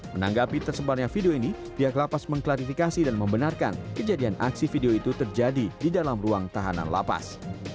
menanggapi tersebarnya video ini pihak lapas mengklarifikasi dan membenarkan kejadian aksi video itu terjadi di dalam ruang tahanan lapas